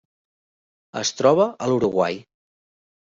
Es troba a l'Uruguai.